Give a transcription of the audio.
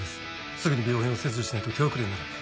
すぐに病変を切除しないと手遅れになる。